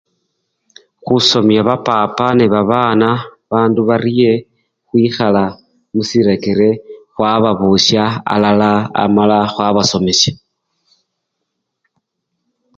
Khusomya bapapa nebabana bandu barye, khwikhala musirekere khwababusya alala amala khwabasomesya.